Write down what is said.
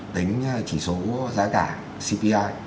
tính chỉ số giá cả cpi